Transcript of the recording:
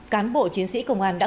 cán bộ chiến sĩ công an nhân dân